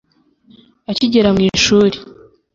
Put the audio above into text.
Akigera mu ishuri